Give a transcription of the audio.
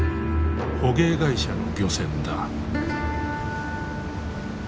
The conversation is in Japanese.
捕鯨会社の漁船だ。